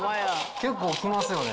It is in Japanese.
結構、きますよね。